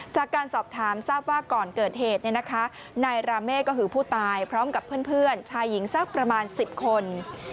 จากการสอบถามทราบว่าก่อนเกิดเหตุนายราเมฆก็คือผู้ตายพร้อมกับเพื่อนชายหญิงสักประมาณ๑๐คน